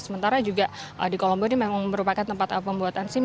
sementara juga di kolombo ini memang merupakan tempat pembuatan sim